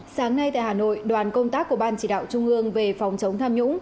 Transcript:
sáng nay tại hà nội đoàn công tác của ban chỉ đạo trung ương về phòng chống tham nhũng